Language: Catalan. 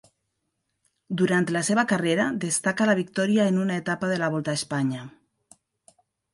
Durant la seva carrera destaca la victòria en una etapa de la Volta a Espanya.